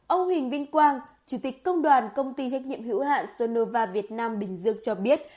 ông huỳnh vinh quang chủ tịch công đoàn công ty trách nhiệm hữu hạn sonova việt nam bình dương cho biết